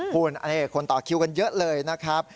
คุณคนต่อคิวกันเยอะเลยนะครับ